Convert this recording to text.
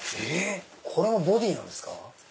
これもボディーなんですか？